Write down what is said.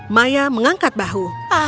maya mengangkat bahu